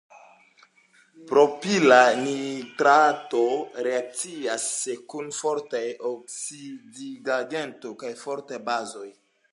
Propila nitrato reakcias kun fortaj oksidigagentoj kaj fortaj bazoj.